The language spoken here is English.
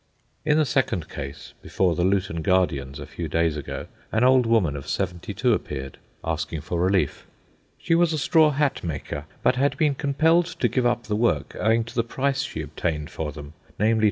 In the second case, before the Luton Guardians a few days ago, an old woman of seventy two appeared, asking for relief. "She was a straw hat maker, but had been compelled to give up the work owing to the price she obtained for them—namely, 2.